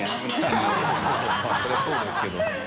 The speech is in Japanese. まぁそりゃそうですけど。